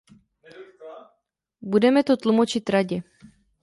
Budeme to tlumočit Radě.